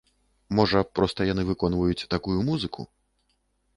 Можа, проста яны выконваюць такую музыку!?